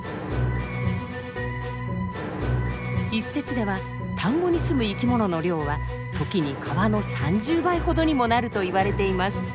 一説では田んぼにすむ生きものの量はときに川の３０倍ほどにもなると言われています。